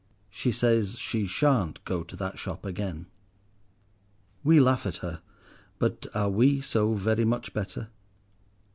She says she shan't go to that shop again. We laugh at her, but are we so very much better?